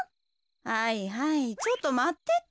はいはいちょっとまってって。